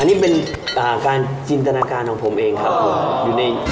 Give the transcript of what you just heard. อันนี้เป็นการจินตนาการของผมเองครับผม